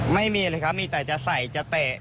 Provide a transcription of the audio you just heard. ไม่มีเลยครับมีแต่จะใส่จะเตะ